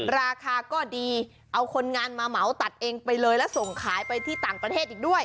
ราคาก็ดีเอาคนงานมาเหมาตัดเองไปเลยแล้วส่งขายไปที่ต่างประเทศอีกด้วย